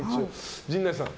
陣内さん。